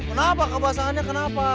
kenapa kebasahannya kenapa